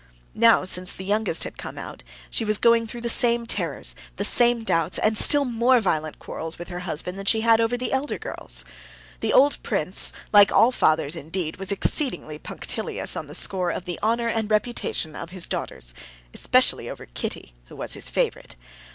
Now, since the youngest had come out, she was going through the same terrors, the same doubts, and still more violent quarrels with her husband than she had over the elder girls. The old prince, like all fathers indeed, was exceedingly punctilious on the score of the honor and reputation of his daughters. He was irrationally jealous over his daughters, especially over Kitty, who was his favorite.